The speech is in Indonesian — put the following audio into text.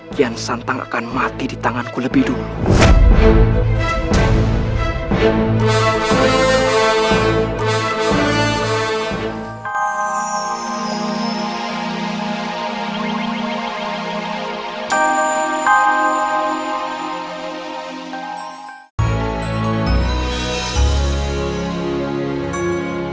kian santang akan mati di tanganku lebih dulu